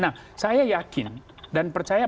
nah saya yakin dan percaya